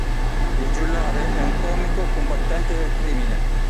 Il Giullare è un comico combattente del crimine.